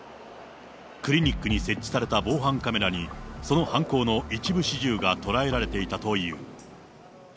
クリニックに設置された防犯カメラに、その犯行の一部始終が捉えられていたという。